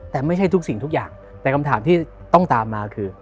แต่ไม่ใช่ทุกสิ่งทุกอย่างแต่คำถามที่ต้องตามมาคือ